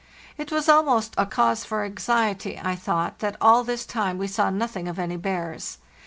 It was almost a cause for anxiety, I thought, that all this time we saw nothing of any bears.